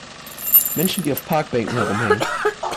Menschen, die auf Parkbänken herumhängen.